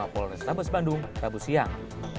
lima polres tabes bandung rabu siang